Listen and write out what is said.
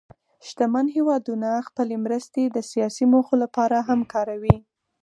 شتمن هېوادونه خپلې مرستې د سیاسي موخو لپاره هم کاروي.